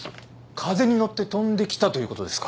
風に乗って飛んできたという事ですか？